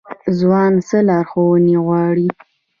ځوان څه لارښوونه غواړي؟